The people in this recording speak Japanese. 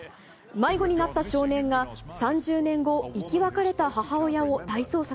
迷子になった少年が、３０年後、生き別れた母親を大捜索。